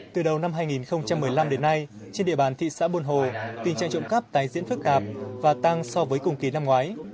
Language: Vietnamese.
từ đầu năm hai nghìn một mươi năm đến nay trên địa bàn thị xã buôn hồ tình trạng trộm cắp tài diễn phức tạp và tăng so với cùng kỳ năm ngoái